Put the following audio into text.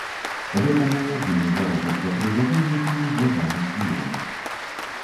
Гэта мой адзіны заробак за тры гады, які не звязаны з кнігамі.